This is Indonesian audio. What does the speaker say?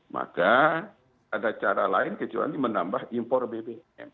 maka ada cara lain kecuali menambah impor bbm